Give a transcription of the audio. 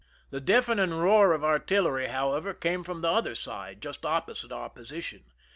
The deafening roar of artillery, however, came from the other side, just opposite our position.